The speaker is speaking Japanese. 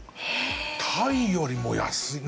タイよりも安い。